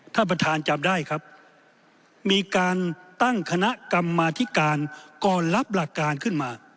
ท่านประธานจำได้ครับมีการตั้งคณะกรรมาธิการก่อนรับหลักการขึ้นมา